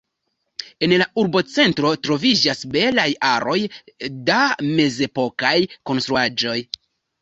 En la urbocentro troviĝas belaj aroj da mezepokaj konstruaĵoj.